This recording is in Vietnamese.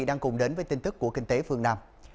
đang cùng đến với tin tức của kinh tế phương nam